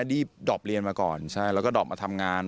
ดรอปเรียนมาก่อนแล้วก็ดรอปมาทำงาน